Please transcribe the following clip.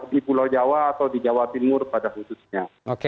di pulau jawa atau di jawa timur pada khususnya